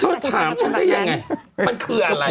เธอถามฉันได้ยังไงมันคืออะไร